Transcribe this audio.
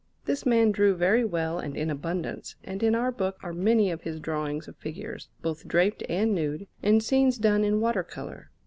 This man drew very well and in abundance, and in our book are many of his drawings of figures, both draped and nude, and scenes done in water colour.